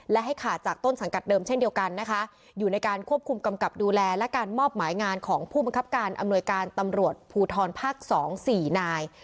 และให้ขาดจากต้นสังกัดเดิมเช่นเดียวกันนะคะอยู่ในการควบคุมกำกับดูแลและการมอบหมายงานของผู้บังคับการอำนวยการตำรวจภูทรภาค๒๔นาย